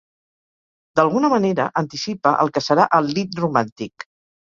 D'alguna manera, anticipa el que serà el lied romàntic.